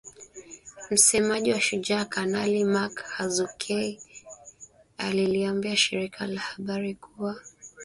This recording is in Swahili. Msemaji wa Shujaa Kanali Mak Hazukay aliliambia shirika la habari kuwa